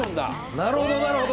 なるほどなるほど。